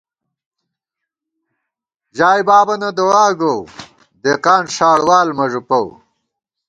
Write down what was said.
ژائے بابَنہ دُعاگوؤ ، دېقان ݭاڑ وال مہ ݫُوپَو